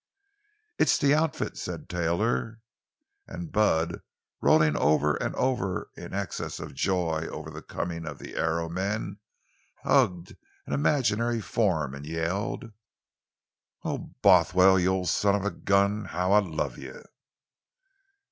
"It's the outfit!" said Taylor. And Bud, rolling over and over in an excess of joy over the coming of the Arrow men, hugged an imaginary form and yelled: "Oh, Bothwell, you old son of a gun! How I love you!"